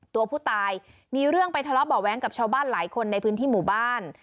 ตัวผู้ตายมีเรื่องไปทะเลาะเบาะแว้งกับชาวบ้านหลายคนในพื้นที่หมู่บ้าน